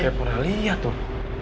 kayak pernah liat tuh